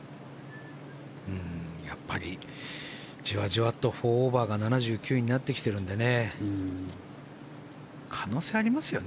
やっぱりじわじわと４オーバーが７９位になってきているので可能性、ありますよね